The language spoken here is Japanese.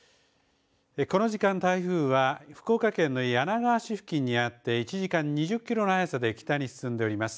この時間、台風は福岡県の柳川市付近にあって、１時間２０キロの速さで北に進んでおります。